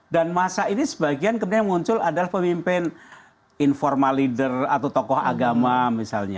masa ini sebagian kemudian muncul adalah pemimpin informal leader atau tokoh agama misalnya